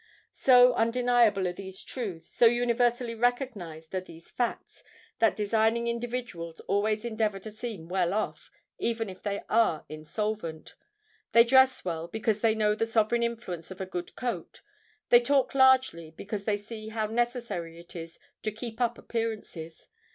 So undeniable are these truths—so universally recognised are these facts, that designing individuals always endeavour to seem well off, even if they be insolvent. They dress well, because they know the sovereign influence of a good coat. They talk largely—because they see how necessary it is "to keep up appearances."